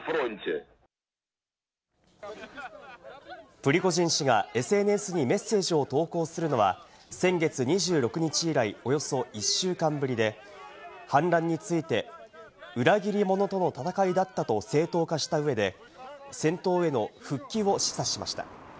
プリゴジン氏がＳＮＳにメッセージを投稿するのは先月２６日以来、およそ１週間ぶりで、反乱について、裏切り者との戦いだったと正当化した上で、戦闘への復帰を示唆しました。